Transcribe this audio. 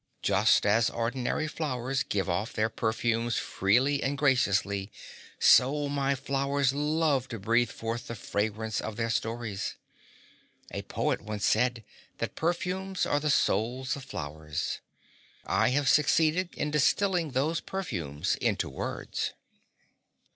Just as ordinary flowers give off their perfumes freely and graciously, so my flowers love to breathe forth the fragrance of their stories. A poet once said that perfumes are the souls of flowers. I have succeeded in distilling those perfumes into words."